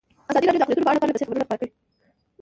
ازادي راډیو د اقلیتونه په اړه پرله پسې خبرونه خپاره کړي.